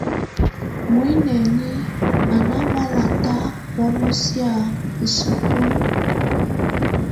Muinǝ́ni á ná bálátá bɔ́nɔsɛ̀á isukulu.